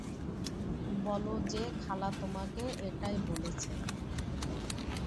বলো যে খালা তোমাকে এটাই বলেছে।